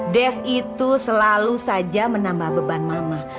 dev itu selalu saja menambah beban mama